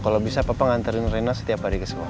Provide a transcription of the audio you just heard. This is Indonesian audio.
kalau bisa papa nganterin rena setiap hari ke sekolah